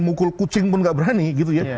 mukul kucing pun gak berani gitu ya